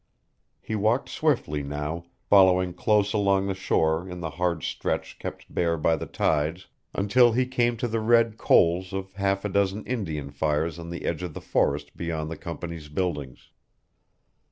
He walked swiftly now, following close along the shore in the hard stretch kept bare by the tides, until he came to the red coals of half a dozen Indian fires on the edge of the forest beyond the company's buildings.